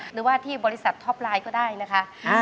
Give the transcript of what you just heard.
หรือว่าที่บริษัทท็อปไลน์ก็ได้นะคะ